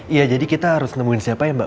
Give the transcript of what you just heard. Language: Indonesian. iya jadi kita harus nemuin siapa ya mbak